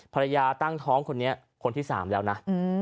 ตั้งท้องคนนี้คนที่๓แล้วนะ